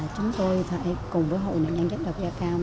chúng tôi phải cùng với hội nạn nhân chất độc da cam